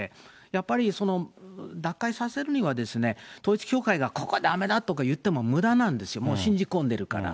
やっぱり脱会させるには、統一教会がここはだめだとか言ってもむだなんですよ、もう信じ込んでるから。